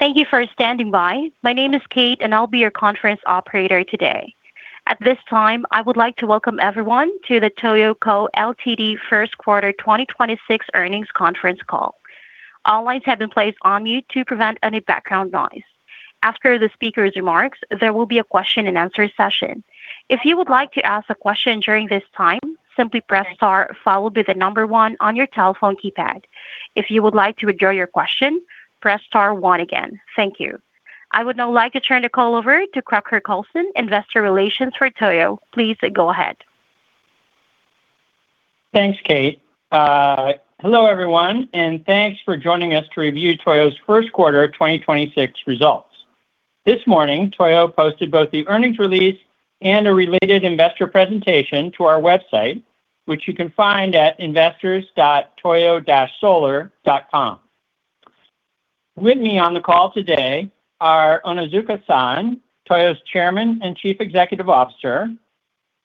Thank you for standing by. My name is Kate and I'll be your conference operator today. At this time, I would like to welcome everyone to the TOYO Co., Ltd first quarter 2026 earnings conference call. All lines have been placed on mute to prevent any background noise. After the speaker's remarks, there will be a question and answer session. If you would like to ask a question during this time, simply press star followed by one on your telephone keypad. If you would like to withdraw your question, press star one again. Thank you. I would now like to turn the call over to Crocker Coulson, investor relations for Toyo. Please go ahead. Thanks, Kate. Hello everyone, thanks for joining us to review Toyo's first quarter 2026 results. This morning, Toyo posted both the earnings release and a related investor presentation to our website, which you can find at investors.toyo-solar.com. With me on the call today are Takahiko Onozuka, Toyo's Chairman and Chief Executive Officer,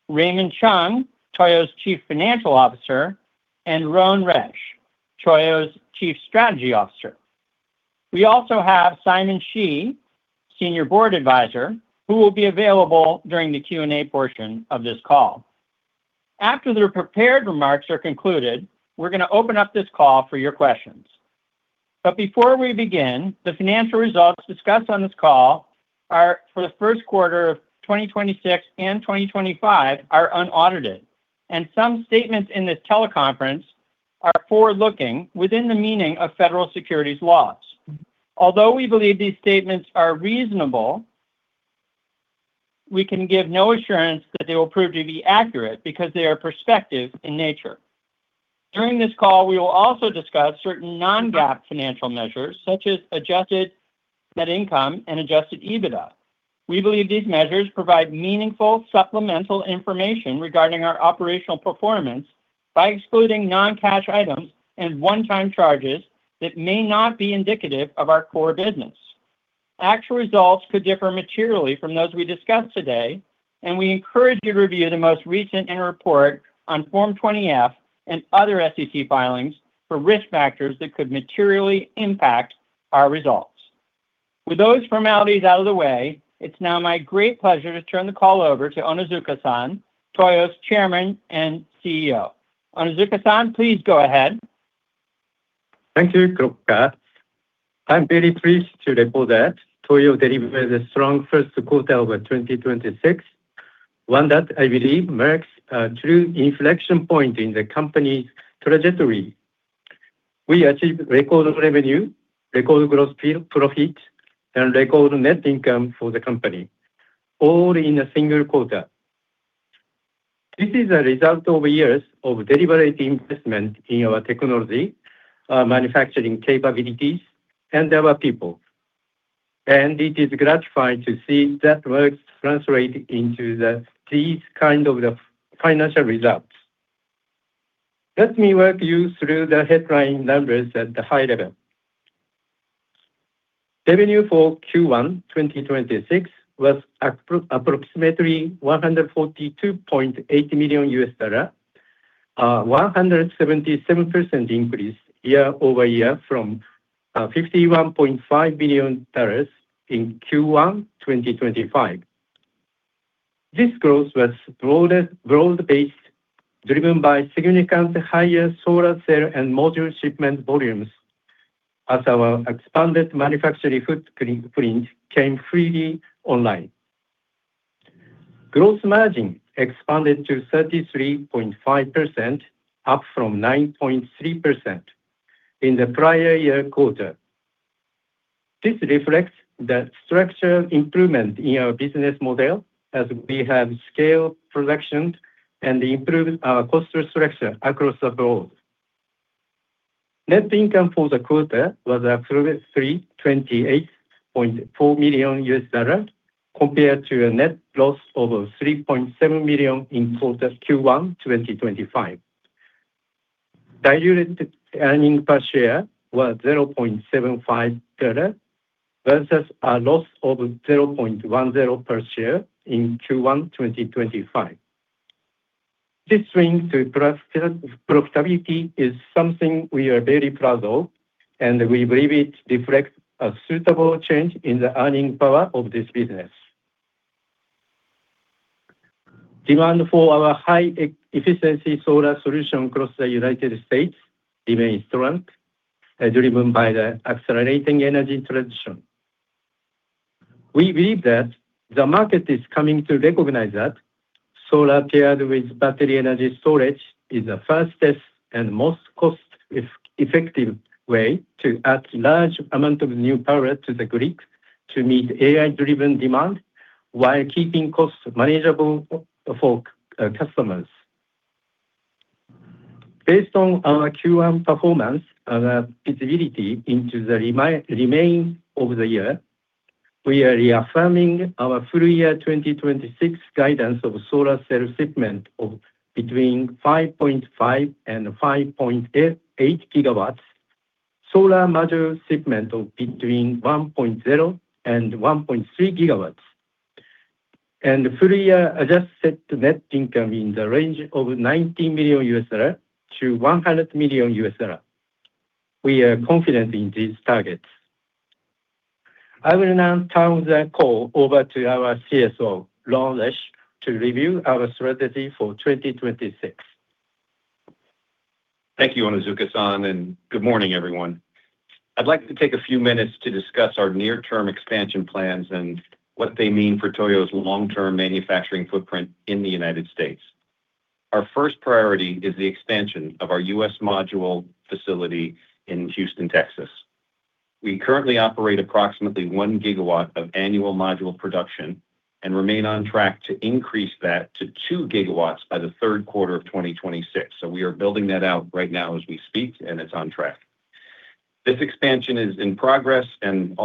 Raymond Chung, Toyo's Chief Financial Officer, and Rhone Resch, Toyo's Chief Strategy Officer. We also have Simon Shi, senior board advisor, who will be available during the Q&A portion of this call. After their prepared remarks are concluded, we're gonna open up this call for your questions. Before we begin, the financial results discussed on this call are for the first quarter of 2026 and 2025 are unaudited. Some statements in this teleconference are forward-looking within the meaning of federal securities laws. Although we believe these statements are reasonable, we can give no assurance that they will prove to be accurate because they are perspective in nature. During this call, we will also discuss certain non-GAAP financial measures such as adjusted net income and adjusted EBITDA. We believe these measures provide meaningful supplemental information regarding our operational performance by excluding non-cash items and one-time charges that may not be indicative of our core business. Actual results could differ materially from those we discussed today, and we encourage you to review the most recent annual report on Form 20-F and other SEC filings for risk factors that could materially impact our results. With those formalities out of the way, it's now my great pleasure to turn the call over to Takahiko Onozuka, TOYO's Chairman and CEO. Takahiko Onozuka, please go ahead. Thank you, Crocker. I'm very pleased to report that Toyo delivered a strong first quarter over 2026, one that I believe marks a true inflection point in the company's trajectory. We achieved record revenue, record gross profit, and record net income for the company, all in a single quarter. This is a result of years of deliberate investment in our technology, manufacturing capabilities, and our people. It is gratifying to see that work translate into these kind of financial results. Let me walk you through the headline numbers at the high level. Revenue for Q1 2026 was approximately $142.8 million. 177% increase year-over-year from $51.5 million in Q1 2025. This growth was broad-based, driven by significant higher solar cell and module shipment volumes as our expanded manufacturing footprint came fully online. Gross margin expanded to 33.5%, up from 9.3% in the prior year quarter. This reflects the structural improvement in our business model as we have scaled production and improved our cost structure across the board. Net income for the quarter was approximately $28.4 million compared to a net loss of $3.7 million in quarter Q1 2025. Diluted earnings per share was $0.75 versus a loss of $0.10 per share in Q1 2025. This swing to profitability is something we are very proud of, and we believe it reflects a sustainable change in the earning power of this business. Demand for our high efficiency solar solution across the U.S. remains strong, as driven by the accelerating energy transition. We believe that the market is coming to recognize that solar paired with battery energy storage is the fastest and most cost-effective way to add large amount of new power to the grid to meet AI-driven demand while keeping costs manageable for customers. Based on our Q1 performance and our visibility into the remainder over the year, we are reaffirming our full year 2026 guidance of solar cell shipment of between 5.5 GW and 5.8 GW, solar module shipment of between 1.0 GW and 1.3 GW. Full year adjusted net income in the range of $90 million-$100 million. We are confident in these targets. I will now turn the call over to our CSO, Rhone Resch, to review our strategy for 2026. Thank you, Onozuka-san, and good morning, everyone. I'd like to take a few minutes to discuss our near-term expansion plans and what they mean for TOYO's long-term manufacturing footprint in the United States. Our first priority is the expansion of our U.S. module facility in Houston, Texas. We currently operate approximately 1 GW of annual module production and remain on track to increase that to 2 GW by the third quarter of 2026. We are building that out right now as we speak, and it's on track. This expansion is in progress and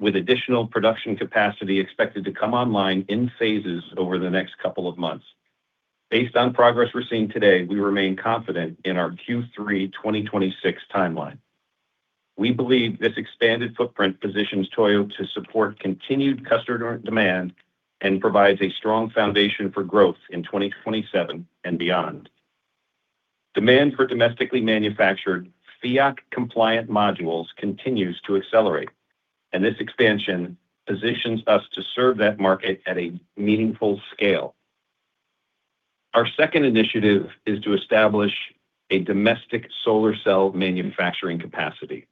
with additional production capacity expected to come online in phases over the next couple of months. Based on progress we're seeing today, we remain confident in our Q3 2026 timeline. We believe this expanded footprint positions Toyo to support continued customer demand and provides a strong foundation for growth in 2027 and beyond. Demand for domestically manufactured FEOC-compliant modules continues to accelerate, and this expansion positions us to serve that market at a meaningful scale. Our second initiative is to establish a domestic solar cell manufacturing capacity.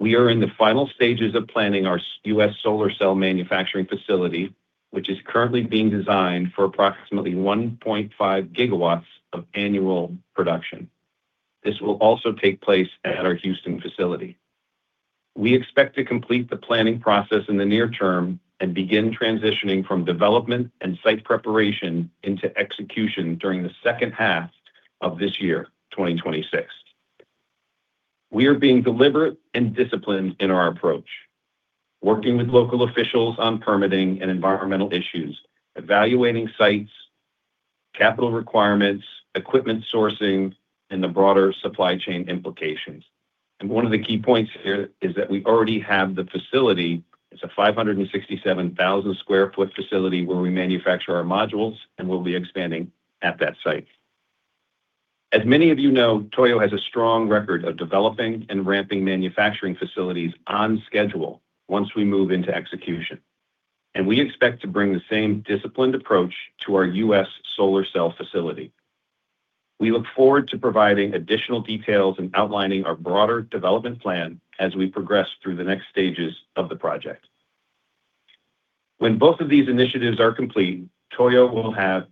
We are in the final stages of planning our U.S. solar cell manufacturing facility, which is currently being designed for approximately 1.5 GW of annual production. This will also take place at our Houston facility. We expect to complete the planning process in the near term and begin transitioning from development and site preparation into execution during the second half of this year, 2026. We are being deliberate and disciplined in our approach, working with local officials on permitting and environmental issues, evaluating sites, capital requirements, equipment sourcing, and the broader supply chain implications. One of the key points here is that we already have the facility. It's a 567,000 sq ft facility where we manufacture our modules, and we'll be expanding at that site. As many of you know, Toyo has a strong record of developing and ramping manufacturing facilities on schedule once we move into execution. We expect to bring the same disciplined approach to our U.S. solar cell facility. We look forward to providing additional details and outlining our broader development plan as we progress through the next stages of the project. When both of these initiatives are complete, TOYO will have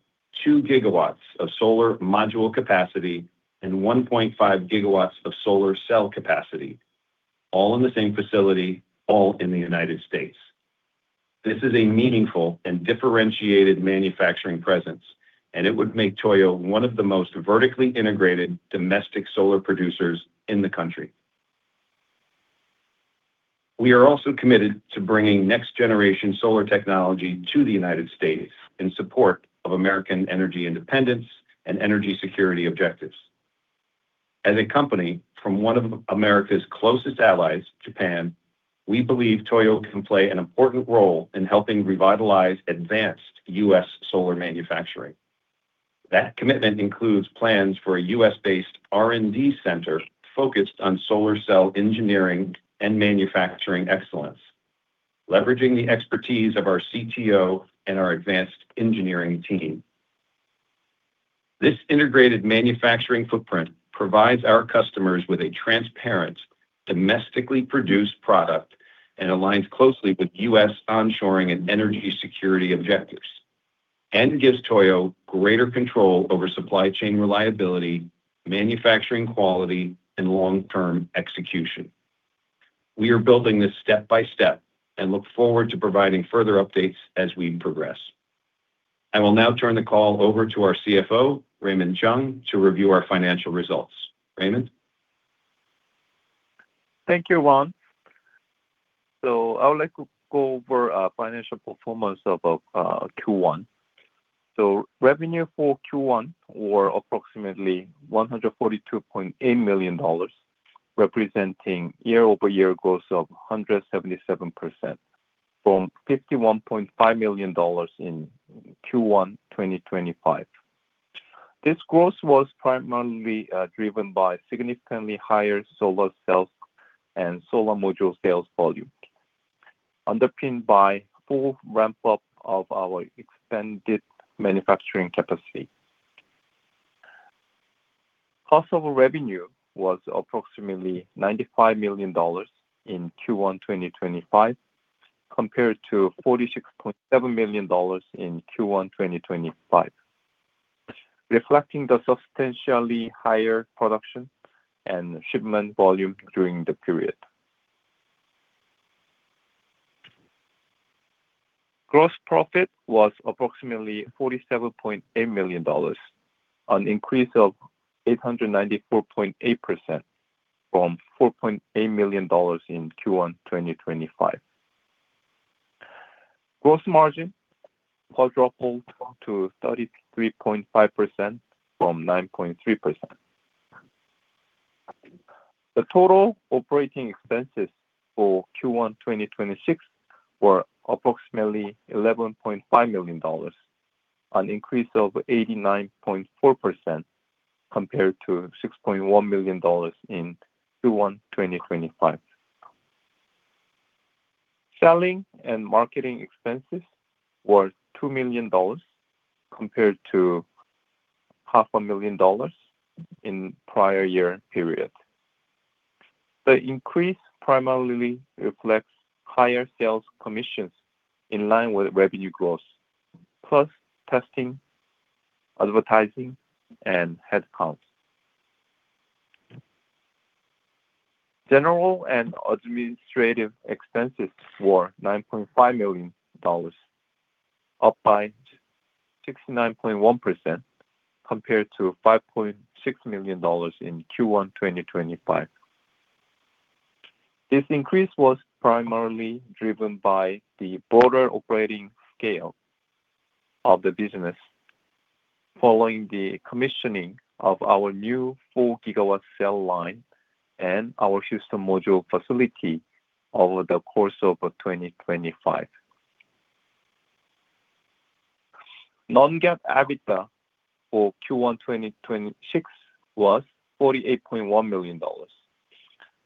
2 GW of solar module capacity and 1.5 GW of solar cell capacity, all in the same facility, all in the U.S. This is a meaningful and differentiated manufacturing presence, and it would make TOYO one of the most vertically integrated domestic solar producers in the country. We are also committed to bringing next-generation solar technology to the U.S. in support of American energy independence and energy security objectives. As a company from one of America's closest allies, Japan, we believe TOYO can play an important role in helping revitalize advanced U.S. solar manufacturing. That commitment includes plans for a U.S.-based R&D center focused on solar cell engineering and manufacturing excellence, leveraging the expertise of our CTO and our advanced engineering team. This integrated manufacturing footprint provides our customers with a transparent, domestically produced product and aligns closely with U.S. onshoring and energy security objectives, and gives TOYO greater control over supply chain reliability, manufacturing quality, and long-term execution. We are building this step by step and look forward to providing further updates as we progress. I will now turn the call over to our CFO, Raymond Chung, to review our financial results. Raymond? Thank you, Rhone. I would like to go over our financial performance of Q1. Revenue for Q1 were approximately $142.8 million, representing year-over-year growth of 177% from $51.5 million in Q1 2025. This growth was primarily driven by significantly higher solar cells and solar module sales volume, underpinned by full ramp-up of our expanded manufacturing capacity. Cost of revenue was approximately $95 million in Q1 2025, compared to $46.7 million in Q1 2025, reflecting the substantially higher production and shipment volume during the period. Gross profit was approximately $47.8 million, an increase of 894.8% from $4.8 million in Q1 2025. Gross margin quadrupled to 33.5% from 9.3%. The total operating expenses for Q1 2026 were approximately $11.5 million, an increase of 89.4% compared to $6.1 million in Q1 2025. Selling and marketing expenses were $2 million compared to half a million dollars in prior year period. The increase primarily reflects higher sales commissions in line with revenue growth, plus testing, advertising, and head counts. General and administrative expenses were $9.5 million, up by 69.1% compared to $5.6 million in Q1 2025. This increase was primarily driven by the broader operating scale of the business following the commissioning of our new 4-GW cell line and our Houston module facility over the course of 2025. Non-GAAP EBITDA for Q1 2026 was $48.1 million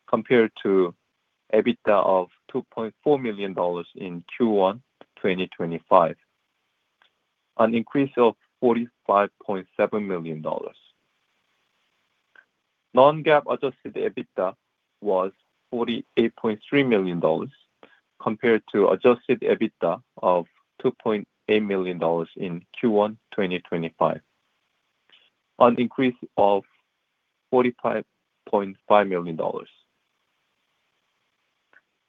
compared to EBITDA of $2.4 million in Q1 2025, an increase of $45.7 million. Non-GAAP adjusted EBITDA was $48.3 million compared to adjusted EBITDA of $2.8 million in Q1 2025, an increase of $45.5 million.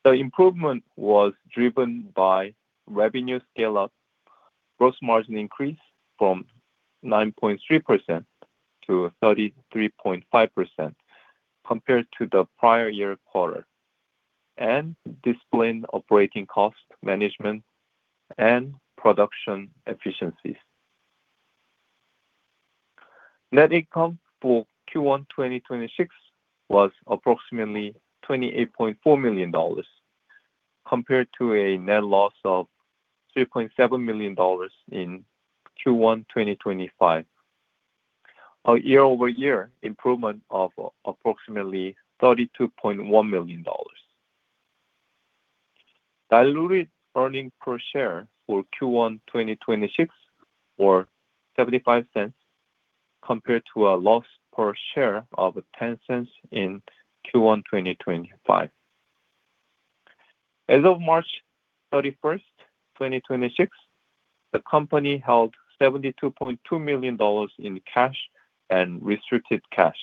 The improvement was driven by revenue scale-up, gross margin increase from 9.3% to 33.5% compared to the prior year quarter, and disciplined operating cost management and production efficiencies. Net income for Q1 2026 was approximately $28.4 million compared to a net loss of $3.7 million in Q1 2025, a year-over-year improvement of approximately $32.1 million. Diluted earnings per share for Q1 2026 were $0.75 compared to a loss per share of $0.10 in Q1 2025. As of March 31st, 2026, the company held $72.2 million in cash and restricted cash,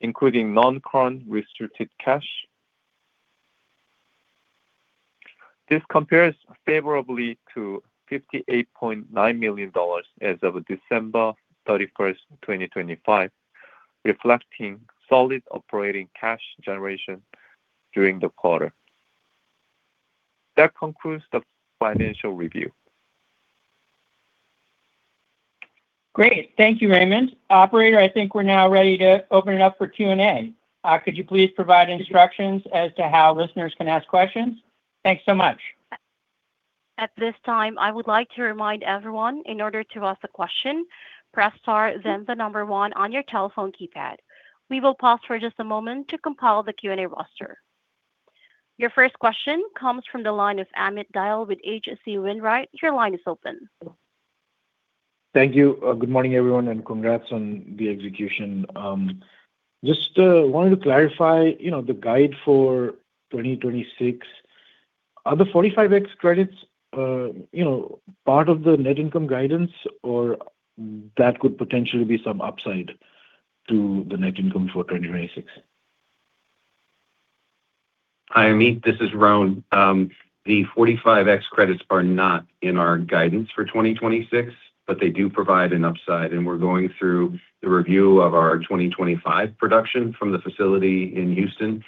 including non-current restricted cash. This compares favorably to $58.9 million as of December 31st, 2025, reflecting solid operating cash generation during the quarter. That concludes the financial review. Great. Thank you, Raymond. Operator, I think we're now ready to open it up for Q&A. Could you please provide instructions as to how listeners can ask questions? Thanks so much. We will pause for just a moment to compile the Q&A roster. Your first question comes from the line of Amit Dayal with H.C. Wainwright. Your line is open. Thank you. Good morning, everyone, and congrats on the execution. Just wanted to clarify, you know, the guide for 2026. Are the Section 45X credits, you know, part of the net income guidance, or that could potentially be some upside to the net income for 2026? Hi, Amit. This is Rhone. The Section 45X credits are not in our guidance for 2026, but they do provide an upside, and we're going through the review of our 2025 production from the facility in Houston.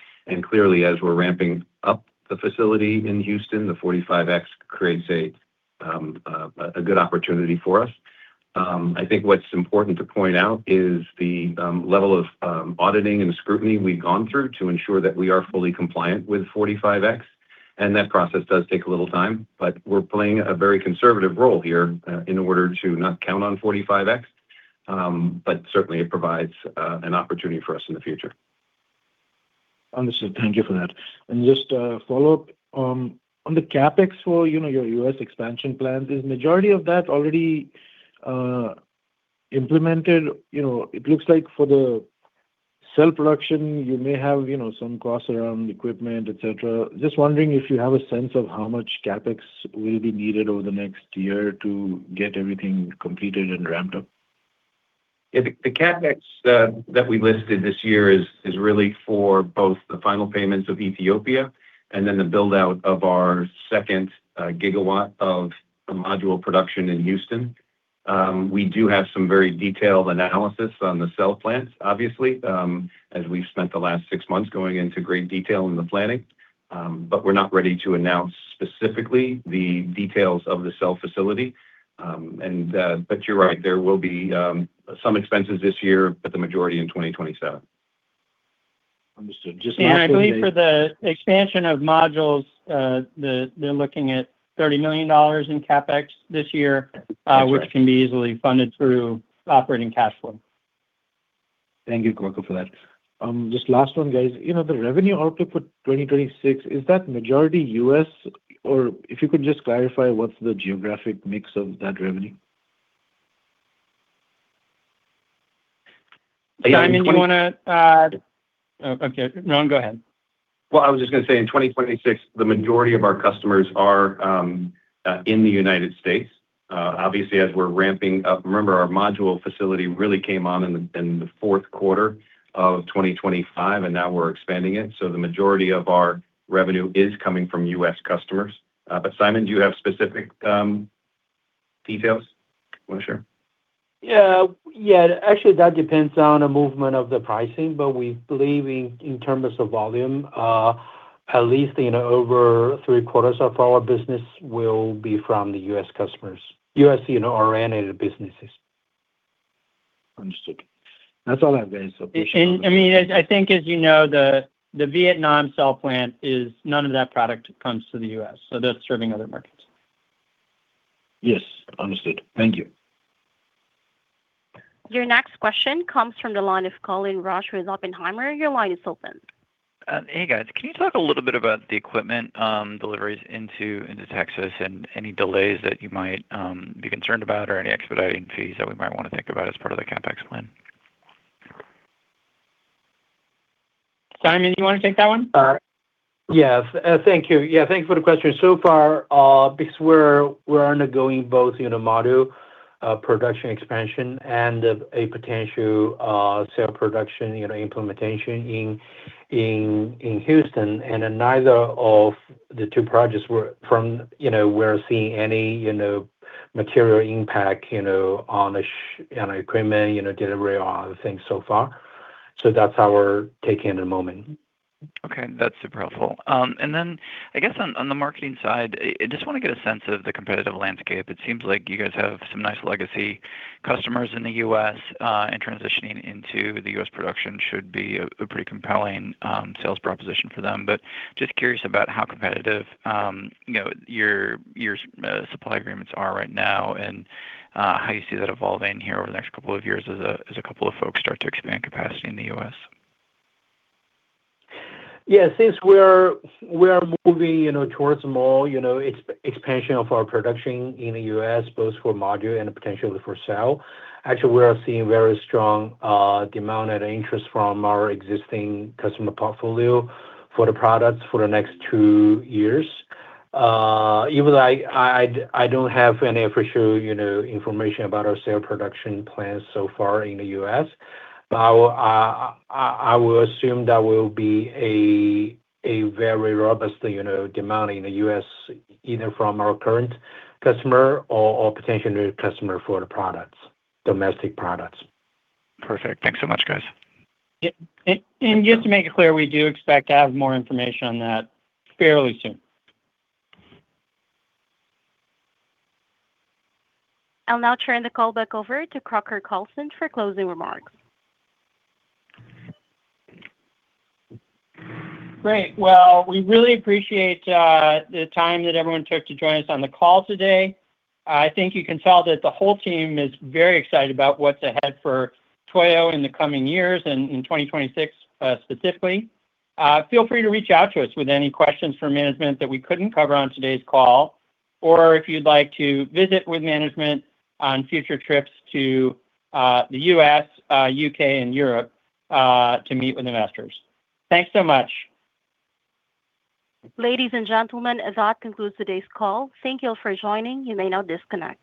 Clearly, as we're ramping up the facility in Houston, the Section 45X creates a good opportunity for us. I think what's important to point out is the level of auditing and scrutiny we've gone through to ensure that we are fully compliant with Section 45X. That process does take a little time, but we're playing a very conservative role here in order to not count on Section 45X. Certainly it provides an opportunity for us in the future. Understood. Thank you for that. Just a follow-up. On the CapEx for, you know, your U.S. expansion plans, is majority of that already implemented? You know, it looks like for the cell production, you may have, you know, some costs around equipment, et cetera. Just wondering if you have a sense of how much CapEx will be needed over the next year to get everything completed and ramped up. The CapEx that we listed this year is really for both the final payments of Ethiopia and then the build-out of our 2nd GW of module production in Houston. We do have some very detailed analysis on the cell plants, obviously, as we've spent the last six months going into great detail in the planning. We're not ready to announce specifically the details of the cell facility. You're right, there will be some expenses this year, but the majority in 2027. Understood. I believe for the expansion of modules, they're looking at $30 million in CapEx this year. That's right. which can be easily funded through operating cash flow. Thank you, Crocker, for that. just last one, guys. You know, the revenue output for 2026, is that majority U.S., or if you could just clarify what's the geographic mix of that revenue? Simon, do you wanna add? Oh, okay. Rhone, go ahead. I was just gonna say, in 2026, the majority of our customers are in the United States. Obviously, as we're ramping up, remember our module facility really came on in the fourth quarter of 2025, and now we're expanding it, so the majority of our revenue is coming from U.S. customers. Simon, do you have specific details you wanna share? Yeah. Yeah, actually, that depends on the movement of the pricing. We believe in terms of volume, at least, over 3/4 of our business will be from the U.S. customers. U.S. oriented businesses. Understood. That's all I have, guys. I mean, as I think, as you know, the Vietnam cell plant is none of that product comes to the U.S., so that's serving other markets. Yes, understood. Thank you. Your next question comes from the line of Colin Rusch with Oppenheimer. Your line is open. Hey, guys. Can you talk a little bit about the equipment deliveries into Texas and any delays that you might be concerned about or any expediting fees that we might wanna think about as part of the CapEx plan? Simon, do you wanna take that one? Yes. Thank you. Yeah, thank you for the question. So far, because we're undergoing both, you know, module production expansion and a potential cell production, you know, implementation in Houston. Neither of the two projects, you know, we're seeing any, you know, material impact, you know, on the equipment, you know, delivery or other things so far. That's how we're taking it at the moment. Okay, that's super helpful. Then I guess on the marketing side, I just wanna get a sense of the competitive landscape. It seems like you guys have some nice legacy customers in the U.S., and transitioning into the U.S. production should be a pretty compelling sales proposition for them. Just curious about how competitive, you know, your supply agreements are right now and how you see that evolving here over the next couple of years as a couple of folks start to expand capacity in the U.S. Yeah, since we're moving, you know, towards more, you know, expansion of our production in the U.S. both for module and potentially for cell, actually, we are seeing very strong demand and interest from our existing customer portfolio for the products for the next two years. Even though I don't have any official, you know, information about our cell production plans so far in the U.S., but I will assume there will be a very robust, you know, demand in the U.S. either from our current customer or potential new customer for the products, domestic products. Perfect. Thanks so much, guys. Yeah. Just to make it clear, we do expect to have more information on that fairly soon. I'll now turn the call back over to Crocker Coulson for closing remarks. Great. Well, we really appreciate the time that everyone took to join us on the call today. I think you can tell that the whole team is very excited about what's ahead for Toyo in the coming years and in 2026 specifically. Feel free to reach out to us with any questions for management that we couldn't cover on today's call, or if you'd like to visit with management on future trips to the U.S., U.K. and Europe to meet with investors. Thanks so much. Ladies and gentlemen, as that concludes today's call, thank you all for joining. You may now disconnect.